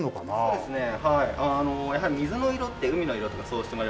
そうですね。